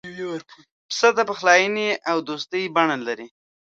پسه د پخلاینې او دوستی بڼه لري.